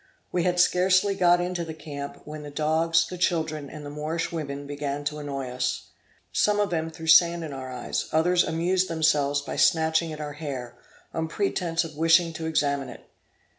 We had scarcely got into the camp, when the dogs, the children, and the Moorish women, began to annoy us. Some of them threw sand in our eyes, others amused themselves by snatching at our hair, on pretence of wishing to examine it.